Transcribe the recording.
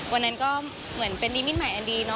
วันนั้นก็เหมือนเป็นนิมิตใหม่อันดีเนอ